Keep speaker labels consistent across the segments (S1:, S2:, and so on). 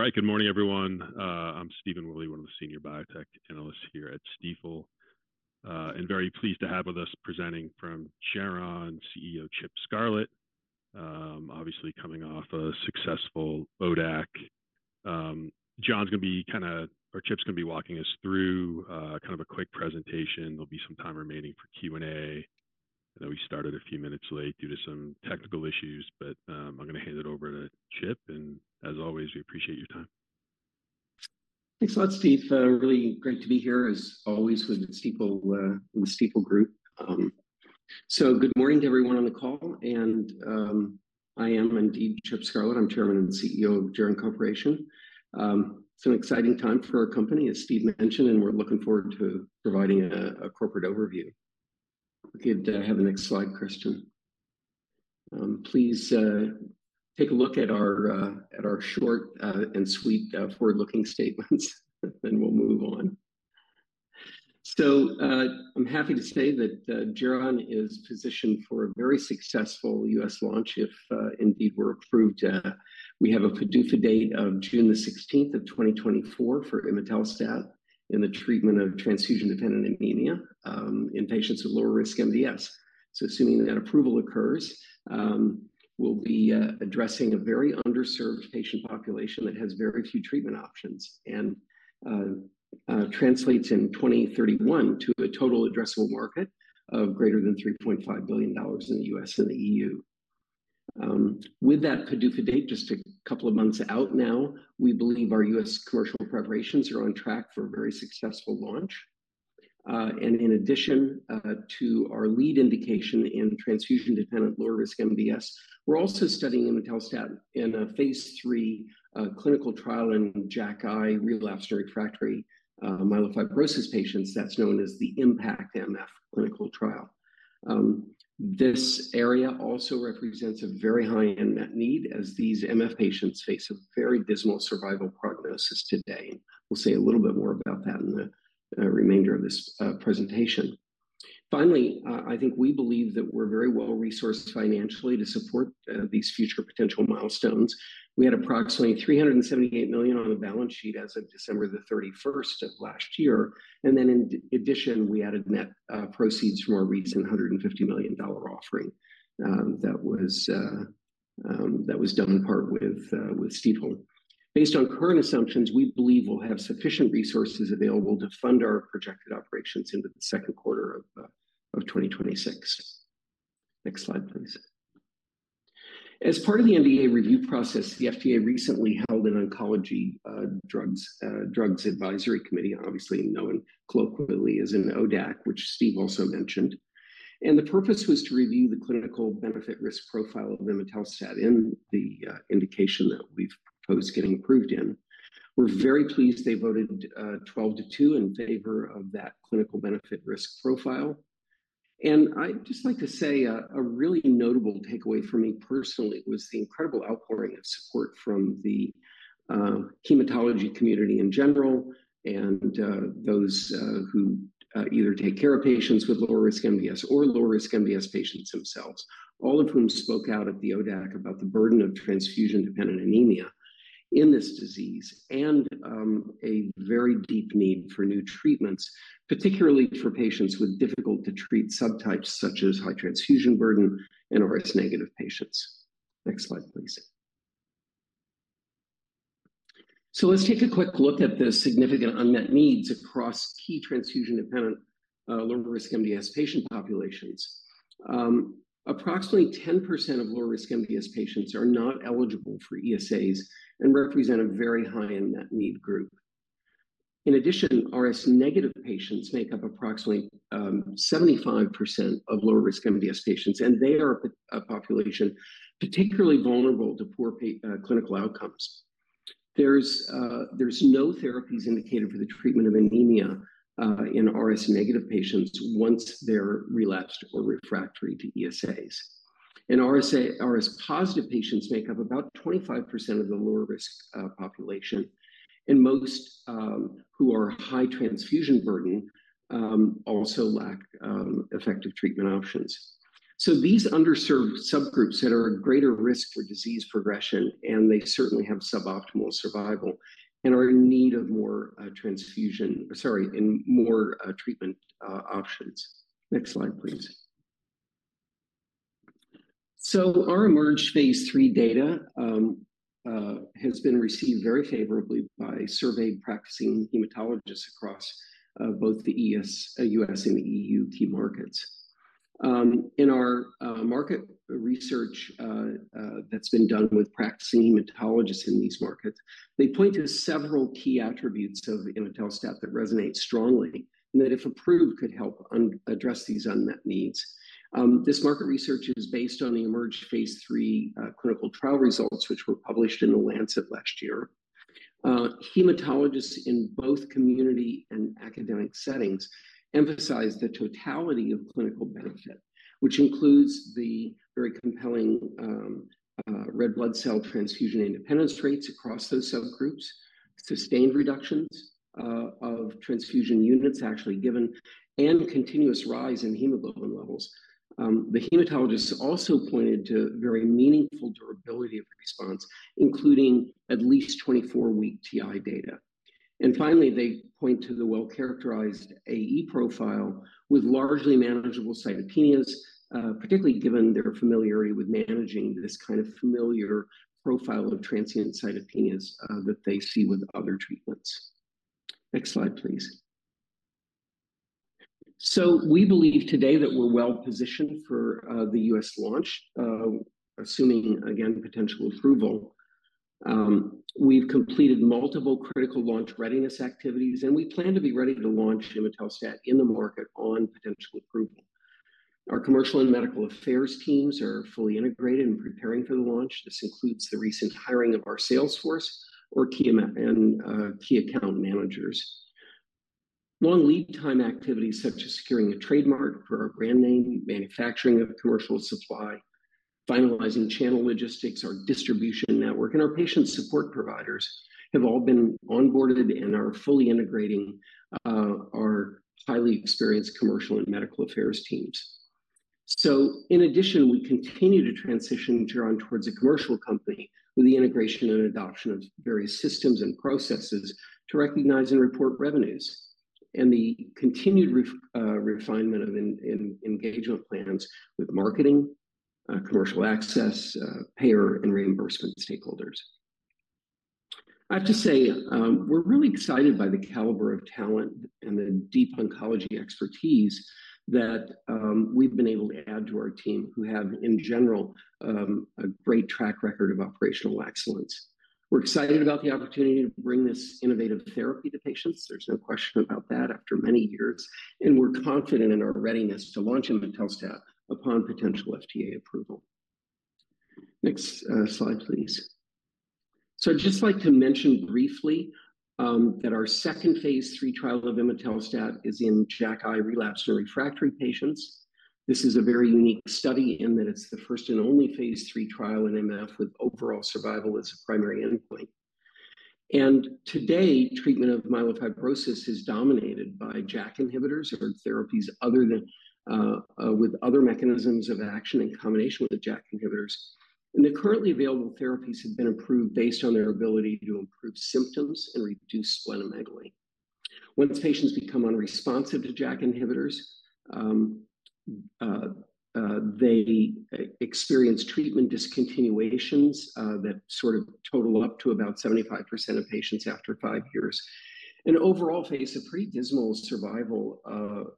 S1: All right, good morning, everyone. I'm Stephen Willey, one of the senior biotech analysts here at Stifel, and very pleased to have with us presenting from Geron, CEO Chip Scarlett, obviously coming off a successful ODAC. John's gonna be kind of-or Chip's gonna be walking us through, kind of a quick presentation. There'll be some time remaining for Q&A. I know we started a few minutes late due to some technical issues, but, I'm gonna hand it over to Chip, and as always, we appreciate your time.
S2: Thanks a lot, Steve. Really great to be here, as always, with Stifel, with the Stifel Group. So good morning to everyone on the call, and I am indeed Chip Scarlett. I'm chairman and CEO of Geron Corporation. It's an exciting time for our company, as Steve mentioned, and we're looking forward to providing a corporate overview. We could have the next slide, Christian. Please take a look at our short and sweet forward-looking statements, and we'll move on. So, I'm happy to say that Geron is positioned for a very successful U.S. launch if indeed we're approved. We have a PDUFA date of June the 16th of 2024 for imetelstat in the treatment of transfusion-dependent anemia in patients with lower-risk MDS. So assuming that approval occurs, we'll be addressing a very underserved patient population that has very few treatment options and translates in 2031 to a total addressable market of greater than $3.5 billion in the U.S. and the EU. With that PDUFA date just a couple of months out now, we believe our U.S. commercial preparations are on track for a very successful launch. And in addition to our lead indication in transfusion-dependent lower-risk MDS, we're also studying imetelstat in a phase III clinical trial in JAKi relapse and refractory myelofibrosis patients that's known as the IMPACT-MF clinical trial. This area also represents a very high unmet need as these MF patients face a very dismal survival prognosis today. We'll say a little bit more about that in the remainder of this presentation. Finally, I think we believe that we're very well-resourced financially to support these future potential milestones. We had approximately $378 million on the balance sheet as of December the 31st of last year, and then in addition, we added net proceeds from our recent $150 million offering, that was done in part with Stifel. Based on current assumptions, we believe we'll have sufficient resources available to fund our projected operations into the second quarter of 2026. Next slide, please. As part of the NDA review process, the FDA recently held an oncology drugs advisory committee, obviously known colloquially as an ODAC, which Steve also mentioned, and the purpose was to review the clinical benefit-risk profile of imetelstat in the indication that we've proposed getting approved in. We're very pleased they voted 12 to 2 in favor of that clinical benefit-risk profile. I'd just like to say, a really notable takeaway for me personally was the incredible outpouring of support from the hematology community in general and those who either take care of patients with lower-risk MDS or lower-risk MDS patients themselves, all of whom spoke out at the ODAC about the burden of transfusion-dependent anemia in this disease and a very deep need for new treatments, particularly for patients with difficult-to-treat subtypes such as high transfusion burden and RS-negative patients. Next slide, please. Let's take a quick look at the significant unmet needs across key transfusion-dependent lower-risk MDS patient populations. Approximately 10% of lower-risk MDS patients are not eligible for ESAs and represent a very high unmet need group. In addition, RS-negative patients make up approximately 75% of lower-risk MDS patients, and they are a population particularly vulnerable to poor clinical outcomes. There's no therapies indicated for the treatment of anemia in RS-negative patients once they're relapsed or refractory to ESAs. RS-positive patients make up about 25% of the lower-risk population, and most who are high transfusion burden also lack effective treatment options. So these underserved subgroups that are at greater risk for disease progression, and they certainly have suboptimal survival, and are in need of more transfusion or sorry, and more treatment options. Next slide, please. So our IMerge phase 3 data has been received very favorably by surveyed practicing hematologists across both the U.S. and the EU key markets. In our market research that's been done with practicing hematologists in these markets, they point to several key attributes of imetelstat that resonate strongly and that if approved could help address these unmet needs. This market research is based on the IMerge phase III clinical trial results, which were published in The Lancet last year. Hematologists in both community and academic settings emphasize the totality of clinical benefit, which includes the very compelling red blood cell transfusion independence rates across those subgroups, sustained reductions of transfusion units actually given, and continuous rise in hemoglobin levels. The hematologists also pointed to very meaningful durability of response, including at least 24-week TI data. And finally, they point to the well-characterized AE profile with largely manageable cytopenias, particularly given their familiarity with managing this kind of familiar profile of transient cytopenias that they see with other treatments. Next slide, please. So we believe today that we're well-positioned for the U.S. launch, assuming, again, potential approval. We've completed multiple critical launch readiness activities, and we plan to be ready to launch imetelstat in the market on potential approval. Our commercial and medical affairs teams are fully integrated and preparing for the launch. This includes the recent hiring of our salesforce, or key MF and key account managers. Long lead time activities such as securing a trademark for our brand name, manufacturing of commercial supply, finalizing channel logistics, our distribution network, and our patient support providers have all been onboarded and are fully integrating our highly experienced commercial and medical affairs teams. So in addition, we continue to transition Geron towards a commercial company with the integration and adoption of various systems and processes to recognize and report revenues and the continued refinement of engagement plans with marketing, commercial access, payer, and reimbursement stakeholders. I have to say, we're really excited by the caliber of talent and the deep oncology expertise that we've been able to add to our team who have, in general, a great track record of operational excellence. We're excited about the opportunity to bring this innovative therapy to patients. There's no question about that after many years, and we're confident in our readiness to launch imetelstat upon potential FDA approval. Next, slide, please. So I'd just like to mention briefly that our second phase III trial of imetelstat is in JAKi relapse and refractory patients. This is a very unique study in that it's the first and only phase III trial in MF with overall survival as a primary endpoint. Today, treatment of myelofibrosis is dominated by JAK inhibitors or therapies other than with other mechanisms of action in combination with the JAK inhibitors. The currently available therapies have been approved based on their ability to improve symptoms and reduce splenomegaly. Once patients become unresponsive to JAK inhibitors, they experience treatment discontinuations that sort of total up to about 75% of patients after five years, and overall face a pretty dismal survival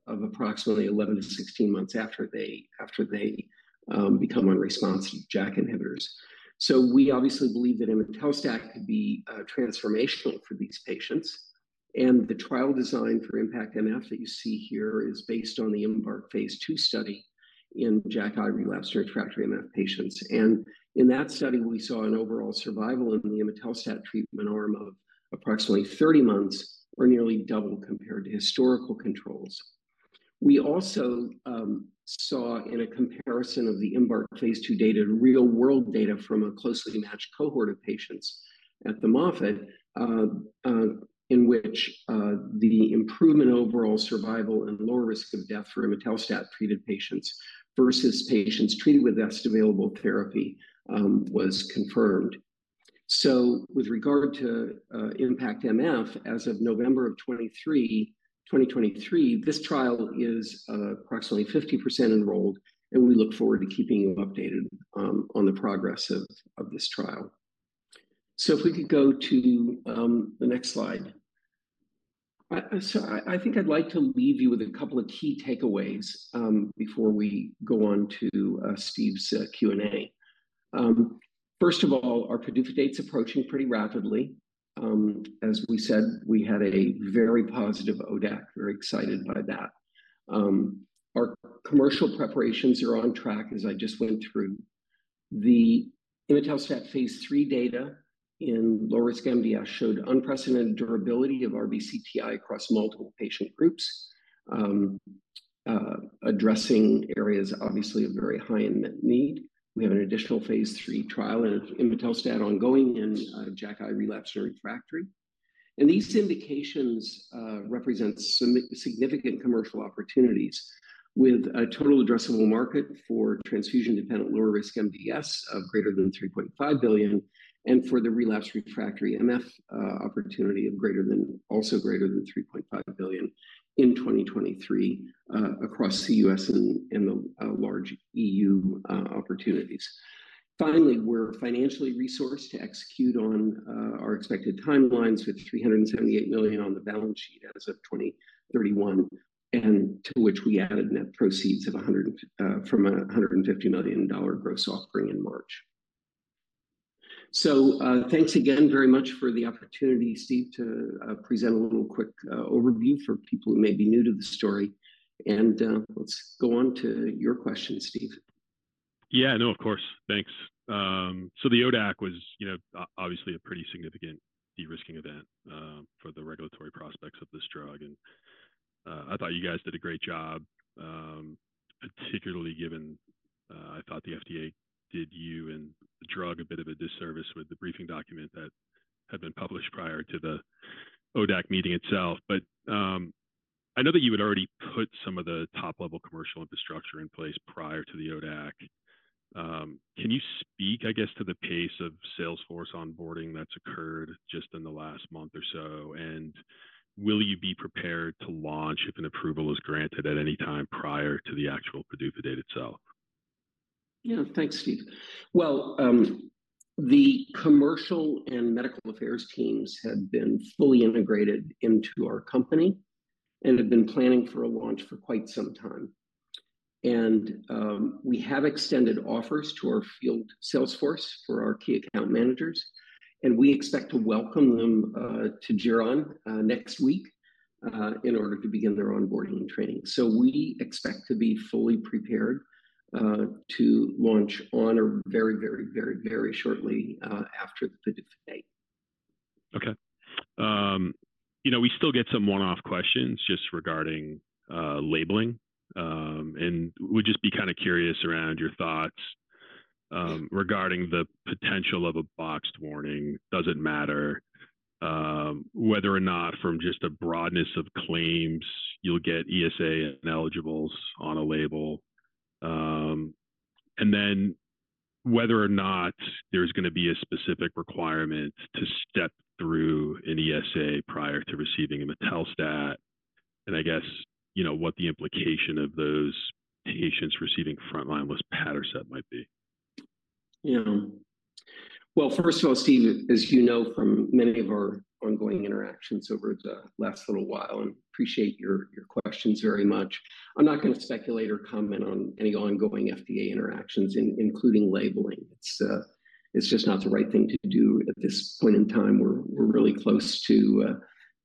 S2: of approximately 11-16 months after they become unresponsive to JAK inhibitors. So we obviously believe that imetelstat could be transformational for these patients, and the trial design for IMPACT-MF that you see here is based on the IMbark phase II study in JAKi relapse and refractory MF patients. In that study, we saw an overall survival in the imetelstat treatment arm of approximately 30 months or nearly double compared to historical controls. We also saw in a comparison of the IMbark phase 2 data, real-world data from a closely matched cohort of patients at the Moffitt, in which the improvement overall survival and lower risk of death for imetelstat treated patients versus patients treated with best available therapy was confirmed. So with regard to IMPACT-MF, as of November 2023, this trial is approximately 50% enrolled, and we look forward to keeping you updated on the progress of this trial. So if we could go to the next slide. I think I'd like to leave you with a couple of key takeaways before we go on to Steve's Q&A. First of all, our PDUFA date's approaching pretty rapidly. As we said, we had a very positive ODAC. Very excited by that. Our commercial preparations are on track, as I just went through. The imetelstat phase III data in low-risk MDS showed unprecedented durability of RBC TI across multiple patient groups, addressing areas, obviously, of very high unmet need. We have an additional phase III trial of imetelstat ongoing in JAKi relapse and refractory. These indications represent some significant commercial opportunities with a total addressable market for transfusion-dependent lower-risk MDS of greater than $3.5 billion and for the relapse refractory MF opportunity of greater than also greater than $3.5 billion in 2023 across the U.S. and the large EU opportunities. Finally, we're financially resourced to execute on our expected timelines with $378 million on the balance sheet as of 2031 and to which we added net proceeds of $150 from a $150 million gross offering in March. Thanks again very much for the opportunity, Steve, to present a little quick overview for people who may be new to the story. Let's go on to your question, Steve.
S1: Yeah, no, of course. Thanks. So the ODAC was, you know, obviously a pretty significant de-risking event for the regulatory prospects of this drug. I thought you guys did a great job, particularly given I thought the FDA did you and the drug a bit of a disservice with the briefing document that had been published prior to the ODAC meeting itself. But I know that you had already put some of the top-level commercial infrastructure in place prior to the ODAC. Can you speak, I guess, to the pace of salesforce onboarding that's occurred just in the last month or so? And will you be prepared to launch if an approval is granted at any time prior to the actual PDUFA date itself?
S2: Yeah, thanks, Steve. Well, the commercial and medical affairs teams have been fully integrated into our company and have been planning for a launch for quite some time. We have extended offers to our field salesforce for our key account managers, and we expect to welcome them to Geron next week in order to begin their onboarding and training. So we expect to be fully prepared to launch on or very, very, very, very shortly after the PDUFA date.
S1: Okay. You know, we still get some one-off questions just regarding labeling. And we'd just be kind of curious around your thoughts regarding the potential of a boxed warning. Does it matter whether or not from just the broadness of claims you'll get ESA ineligibles on a label? and then whether or not there's going to be a specific requirement to step through an ESA prior to receiving imetelstat, and I guess, you know, what the implication of those patients receiving frontline luspatercept might be.
S2: Yeah. Well, first of all, Steve, as you know from many of our ongoing interactions over the last little while, and appreciate your, your questions very much. I'm not going to speculate or comment on any ongoing FDA interactions, including labeling. It's, it's just not the right thing to do at this point in time. We're, we're really close to,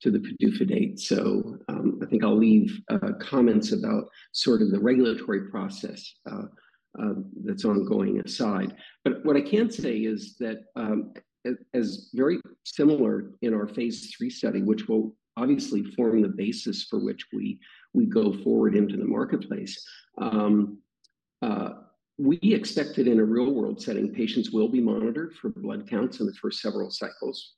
S2: to the PDUFA date. So, I think I'll leave, comments about sort of the regulatory process, that's ongoing aside. But what I can say is that, as very similar in our phase III study, which will obviously form the basis for which we, we go forward into the marketplace, we expect that in a real-world setting, patients will be monitored for blood counts in the first several cycles.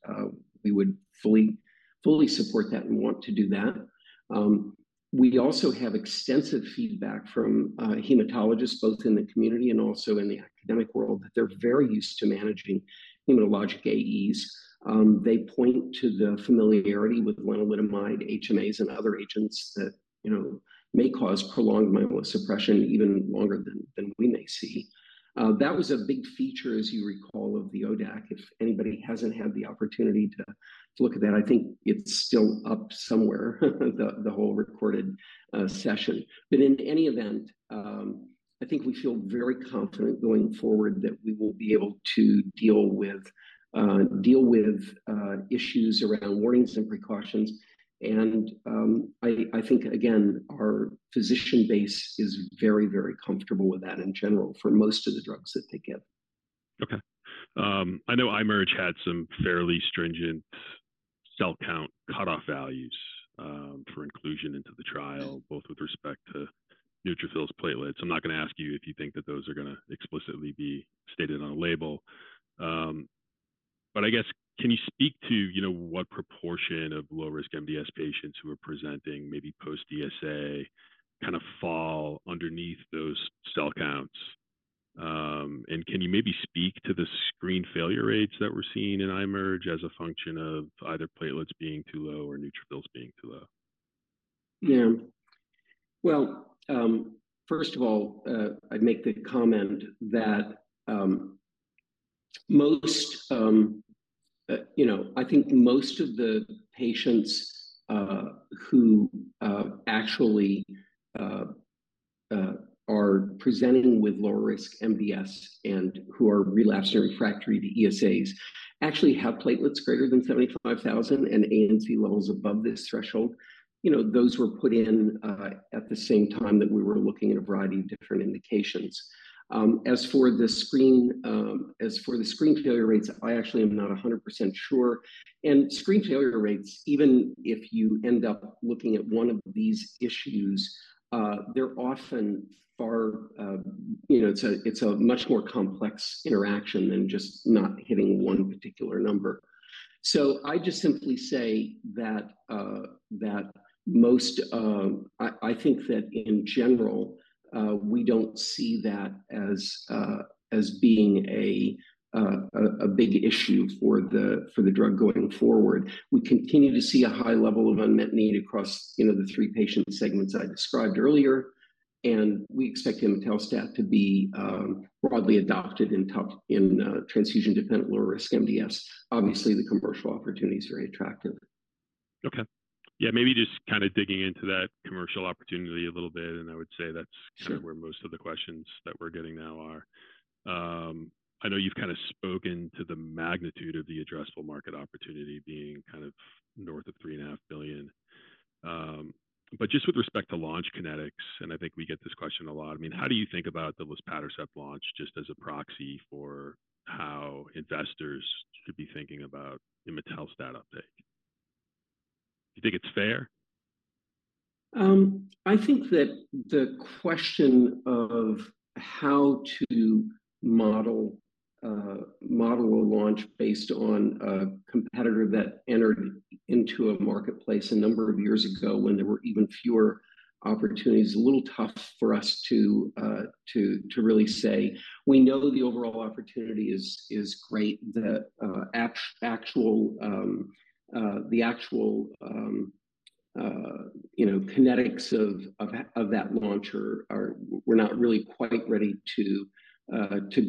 S2: We would fully, fully support that and want to do that. We also have extensive feedback from hematologists, both in the community and also in the academic world, that they're very used to managing hematologic AEs. They point to the familiarity with lenalidomide, HMAs, and other agents that, you know, may cause prolonged myelosuppression even longer than, than we may see. That was a big feature, as you recall, of the ODAC. If anybody hasn't had the opportunity to, to look at that, I think it's still up somewhere, the whole recorded session. But in any event, I think we feel very confident going forward that we will be able to deal with issues around warnings and precautions. And I think, again, our physician base is very, very comfortable with that in general for most of the drugs that they give.
S1: Okay. I know IMerge had some fairly stringent cell count cutoff values for inclusion into the trial, both with respect to neutrophils platelets. I'm not going to ask you if you think that those are going to explicitly be stated on a label. But I guess, can you speak to, you know, what proportion of low-risk MDS patients who are presenting maybe post-ESA kind of fall underneath those cell counts? And can you maybe speak to the screen failure rates that we're seeing in IMerge as a function of either platelets being too low or neutrophils being too low?
S2: Yeah. Well, first of all, I'd make the comment that, most, you know, I think most of the patients, who, actually, are presenting with lower-risk MDS and who are relapsing and refractory to ESAs actually have platelets greater than 75,000 and ANC levels above this threshold. You know, those were put in, at the same time that we were looking at a variety of different indications. As for the screen, as for the screen failure rates, I actually am not 100% sure. And screen failure rates, even if you end up looking at one of these issues, they're often far, you know, it's a, it's a much more complex interaction than just not hitting one particular number. So I just simply say that, that most, I, I think that in general, we don't see that as, as being a, a big issue for the, for the drug going forward. We continue to see a high level of unmet need across, you know, the three patient segments I described earlier. We expect imetelstat to be broadly adopted in transfusion-dependent lower-risk MDS. Obviously, the commercial opportunity is very attractive.
S1: Okay. Yeah, maybe just kind of digging into that commercial opportunity a little bit. I would say that's kind of where most of the questions that we're getting now are. I know you've kind of spoken to the magnitude of the addressable market opportunity being kind of north of $3.5 billion. But just with respect to launch kinetics, and I think we get this question a lot, I mean, how do you think about the luspatercept launch just as a proxy for how investors should be thinking about imetelstat uptake? Do you think it's fair?
S2: I think that the question of how to model a launch based on a competitor that entered into a marketplace a number of years ago when there were even fewer opportunities is a little tough for us to really say. We know the overall opportunity is great. The actual, you know, kinetics of that launch are, we're not really quite ready to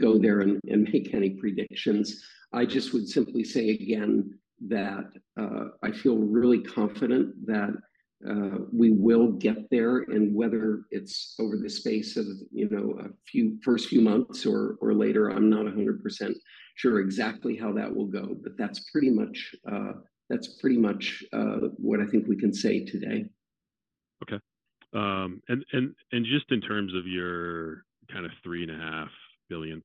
S2: go there and make any predictions. I just would simply say again that I feel really confident that we will get there and whether it's over the space of, you know, a few first few months or later, I'm not 100% sure exactly how that will go, but that's pretty much what I think we can say today.
S1: Okay. Just in terms of your kind of $3.5 billion+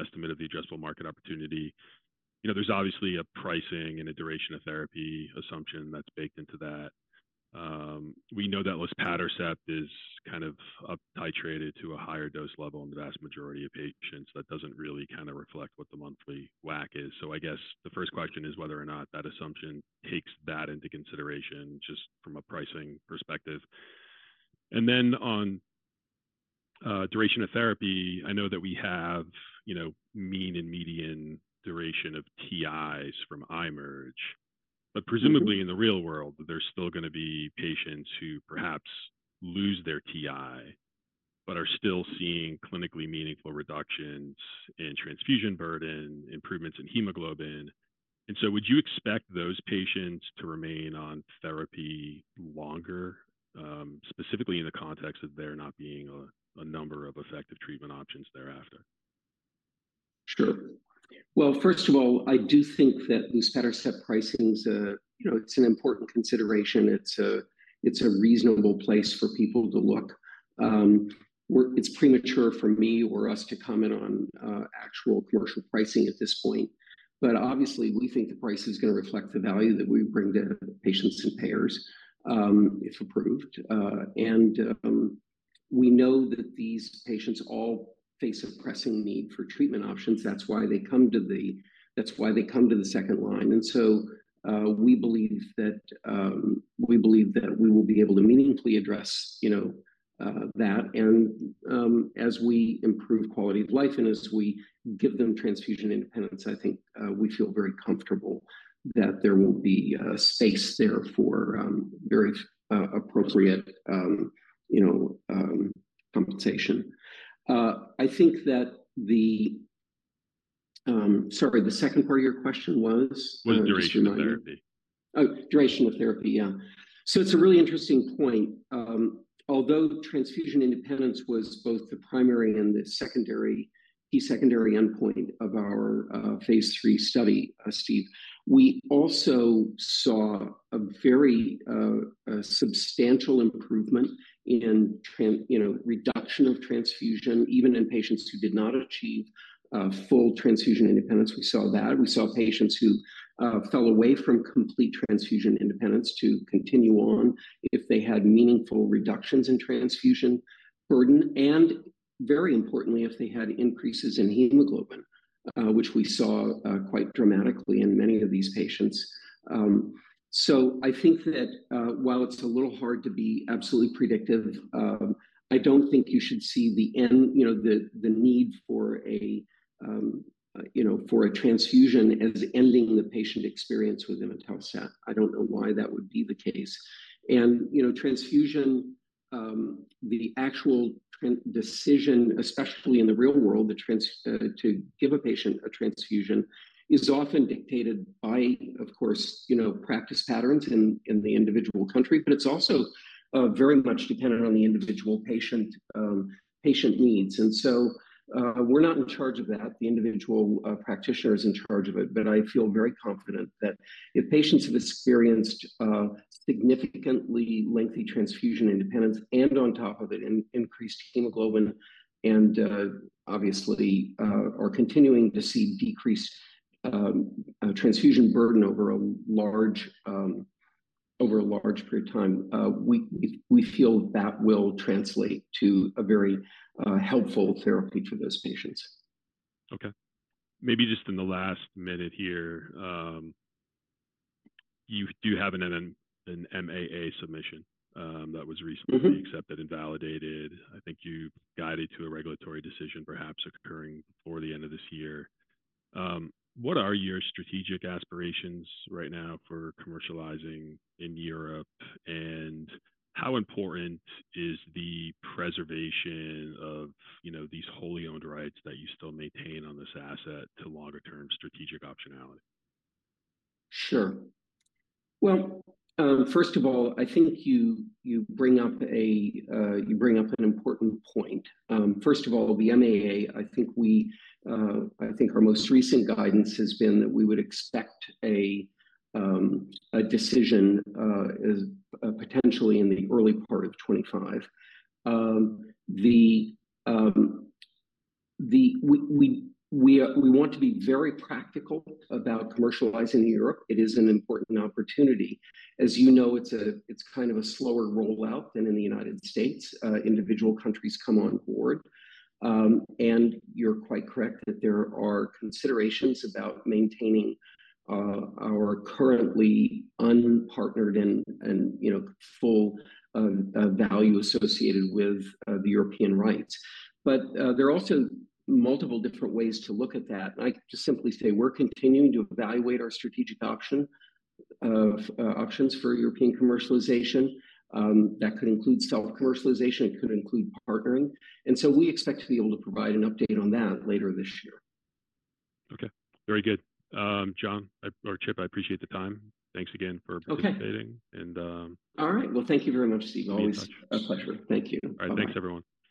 S1: estimate of the addressable market opportunity, you know, there's obviously a pricing and a duration of therapy assumption that's baked into that. We know that luspatercept is kind of up titrated to a higher dose level in the vast majority of patients. That doesn't really kind of reflect what the monthly WAC is. So I guess the first question is whether or not that assumption takes that into consideration just from a pricing perspective. Then, on duration of therapy, I know that we have, you know, mean and median duration of TIs from IMerge. But presumably in the real world, there's still going to be patients who perhaps lose their TI, but are still seeing clinically meaningful reductions in transfusion burden, improvements in hemoglobin. So would you expect those patients to remain on therapy longer, specifically in the context of there not being a number of effective treatment options thereafter?
S2: Sure. Well, first of all, I do think that luspatercept pricing, you know, it's an important consideration. It's a reasonable place for people to look. It's premature for me or us to comment on actual commercial pricing at this point. But obviously, we think the price is going to reflect the value that we bring to patients and payers, if approved. We know that these patients all face a pressing need for treatment options. That's why they come to the second line. We believe that we will be able to meaningfully address, you know, that. As we improve quality of life and as we give them transfusion independence, I think we feel very comfortable that there will be space there for very appropriate, you know, compensation. I think that the, sorry, the second part of your question was, was duration of therapy. Oh, duration of therapy. Yeah. So it's a really interesting point. Although transfusion independence was both the primary and the key secondary endpoint of our phase 3 study, Steve, we also saw a very substantial improvement in, you know, reduction of transfusion, even in patients who did not achieve full transfusion independence. We saw that. We saw patients who fell away from complete transfusion independence continue on if they had meaningful reductions in transfusion burden. And very importantly, if they had increases in hemoglobin, which we saw quite dramatically in many of these patients. So I think that, while it's a little hard to be absolutely predictive, I don't think you should see the end, you know, the need for a, you know, for a transfusion as ending the patient experience with imetelstat. I don't know why that would be the case. And, you know, transfusion, the actual decision, especially in the real world, to give a patient a transfusion is often dictated by, of course, you know, practice patterns in the individual country. But it's also, very much dependent on the individual patient, patient needs. And so, we're not in charge of that. The individual practitioner is in charge of it. But I feel very confident that if patients have experienced significantly lengthy transfusion independence and on top of it, increased hemoglobin and, obviously, are continuing to see decreased transfusion burden over a large period of time, we feel that will translate to a very helpful therapy for those patients.
S1: Okay. Maybe just in the last minute here, you do have an MAA submission that was recently accepted and validated. I think you guided to a regulatory decision, perhaps occurring before the end of this year. What are your strategic aspirations right now for commercializing in Europe? And how important is the preservation of, you know, these wholly owned rights that you still maintain on this asset to longer-term strategic optionality?
S2: Sure. Well, first of all, I think you bring up an important point. First of all, the MAA, I think our most recent guidance has been that we would expect a decision, as potentially in the early part of 2025. We are, we want to be very practical about commercializing in Europe. It is an important opportunity. As you know, it's a, it's kind of a slower rollout than in the United States. Individual countries come on board. And you're quite correct that there are considerations about maintaining our currently unpartnered and, and, you know, full value associated with the European rights. But there are also multiple different ways to look at that. And I could just simply say we're continuing to evaluate our strategic option of options for European commercialization. That could include self-commercialization. It could include partnering. And so we expect to be able to provide an update on that later this year.
S1: Okay. Very good. John, or Chip, I appreciate the time. Thanks again for participating.
S2: ll right. Well, thank you very much, Steve. Always a pleasure. Thank you.
S1: All right. Thanks, everyone.